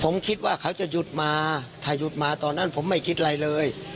ผมคิดว่าเขาจะหยุดมาถ้าหยุดมาตอนนั้นผมไม่คิดอะไรเลย